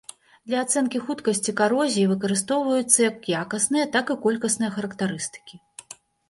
Для ацэнкі хуткасці карозіі выкарыстоўваюцца як якасныя, так і колькасныя характарыстыкі.